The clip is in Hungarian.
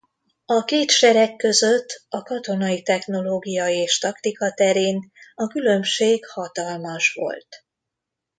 A két sereg között a katonai technológia és taktika terén a különbség hatalmas volt.